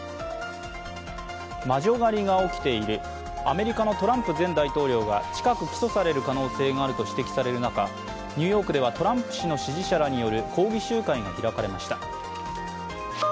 魔女狩りが起きている、アメリカのトランプ前大統領が近く起訴される可能性があると指摘される中、ニューヨークではトランプ氏の支持者らによる抗議集会が開かれました。